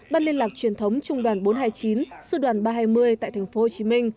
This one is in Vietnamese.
ban liên lạc truyền thống trung đoàn bốn trăm hai mươi chín sư đoàn ba trăm hai mươi tại tp hcm